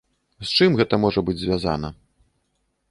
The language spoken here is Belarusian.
З чым гэта можа быць звязана.